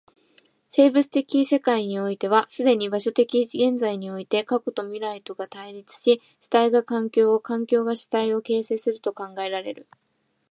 生物的世界においては既に場所的現在において過去と未来とが対立し、主体が環境を、環境が主体を形成すると考えられる。